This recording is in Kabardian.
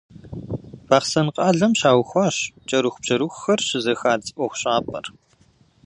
Бахъсэн къалэм щаухуащ кӏэрыхубжьэрыхухэр щызэхадз ӏуэхущӏапӏэр.